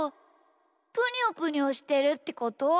プニョプニョしてるってこと。